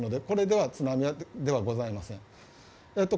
これは津波ではございません。